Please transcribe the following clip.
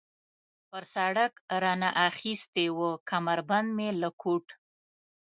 پر سړک را نه اخیستې وه، کمربند مې له کوټ.